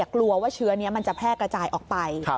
กลัวว่าเชื้อนี้มันจะแพร่กระจายออกไป